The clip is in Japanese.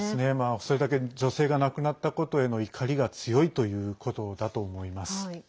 それだけ女性が亡くなったことへの怒りが強いということだと思います。